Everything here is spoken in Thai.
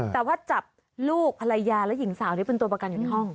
แต่ว่าจับลูกภรรยาและหญิงสาวที่เป็นตัวประกันอยู่ในห้อง